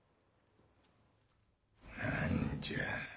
何じゃ。